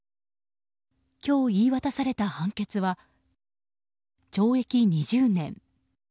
今日、言い渡された判決は懲役２０年。